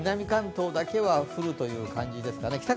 関東だけは降るという感じですかね。